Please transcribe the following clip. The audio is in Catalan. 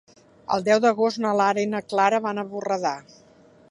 El deu d'agost na Lara i na Clara van a Borredà.